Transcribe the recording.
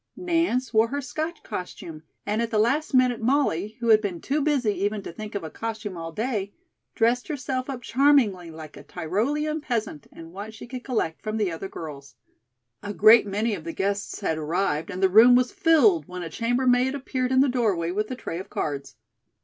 Nance wore her Scotch costume, and at the last minute Molly, who had been too busy even to think of a costume all day, dressed herself up charmingly like a Tyrolean peasant in what she could collect from the other girls. A great many of the guests had arrived and the room was filled when a chambermaid appeared in the doorway with a tray of cards.